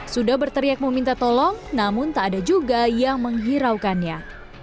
sudah berteriak meminta tolong namun tak ada juga yang menghiraukannya